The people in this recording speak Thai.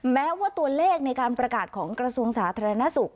แม้ว่าตัวเลขในการประกาศของกระทรวงสาธารณสุข